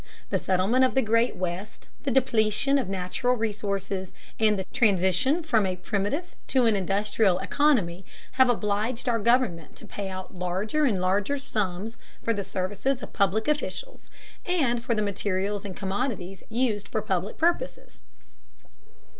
The settlement of the Great West, the depletion of natural resources and the transition from a primitive to an industrial economy have obliged our government to pay out larger and larger sums for the services of public officials, and for the materials and commodities used for public purposes.